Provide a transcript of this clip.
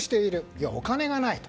要はお金がないと。